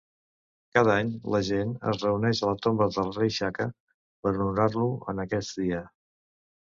Cada any la gent es reuneix a la tomba del rei Shaka per honorar-lo en aquest dia.